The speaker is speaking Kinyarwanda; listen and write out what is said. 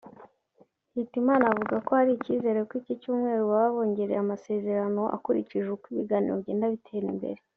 Hitimana avuga ko hari icyizere ko iki cyumweru baba bongereye amasezerano akurikije uko ibiganiro bigenda bitera imbere